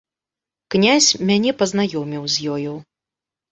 Князь мяне пазнаёміў з ёю.